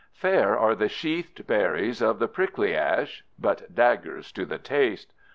Fair are the sheathed berries of the prickly ash—but daggers to the taste.